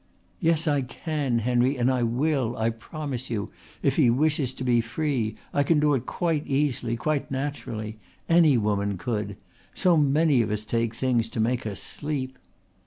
"Yes, I can, Henry, and I will, I promise you, if he wishes to be free. I can do it quite easily, quite naturally. Any woman could. So many of us take things to make us sleep."